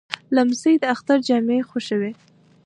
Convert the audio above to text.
لمسی د اختر جامې خوښوي.